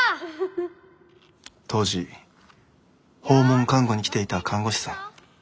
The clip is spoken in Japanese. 当時訪問看護に来ていた看護師さん早川さんですね。